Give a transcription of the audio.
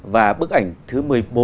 và bức ảnh thứ một mươi bốn